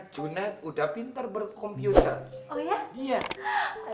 cunet udah pinter berkomputer oh ya iya